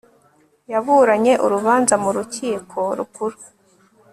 yaburanye urubanza mu rukiko rukuru